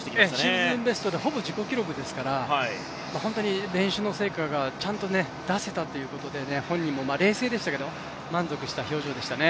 シーズンベストでほぼ自己記録ですから本当に練習の成果がちゃんと出せたということで本人も冷静でしたけど、満足した表情でしたね。